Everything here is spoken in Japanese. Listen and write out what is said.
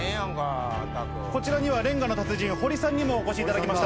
こちらにはレンガの達人、堀さんにもお越しいただきました。